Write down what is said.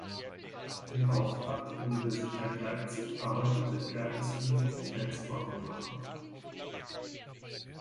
Im Auftrag der Universität Leipzig arbeitete er als „Universitäts-Orgelmacher“.